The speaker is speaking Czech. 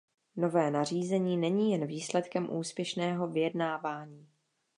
Nové nařízení není jen výsledkem úspěšného vyjednávání.